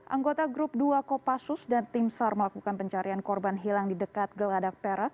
anggota grup dua kopassus dan tim sar melakukan pencarian korban hilang di dekat geladak perak